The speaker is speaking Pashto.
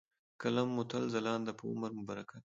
، قلم مو تل ځلاند په عمر مو برکت .